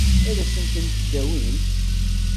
Ad asent-ten-id-tawimt?